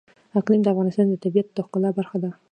اقلیم د افغانستان د طبیعت د ښکلا برخه ده.